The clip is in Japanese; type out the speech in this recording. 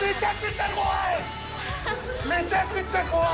めちゃくちゃ怖い！